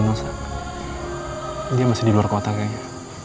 ketemu nona dia masih di luar kota kayaknya